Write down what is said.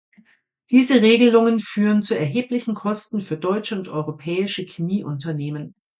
Diese Regelungen führen zu erheblichen Kosten für deutsche und europäische Chemieunternehmen.